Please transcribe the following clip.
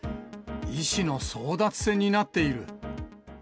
医師の争奪戦になっている。